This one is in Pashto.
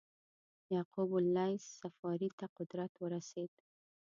یعقوب اللیث صفاري ته قدرت ورسېد.